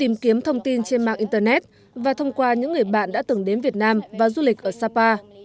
tìm kiếm thông tin trên mạng internet và thông qua những người bạn đã từng đến việt nam và du lịch ở sapa